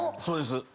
そうです。